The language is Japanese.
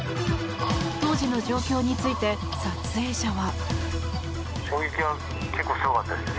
当時の状況について撮影者は。